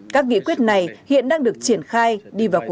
các nghị quyết này hiện đang được triển khai